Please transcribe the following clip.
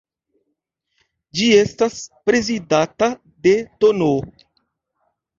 Ĝi estas prezidata de tn.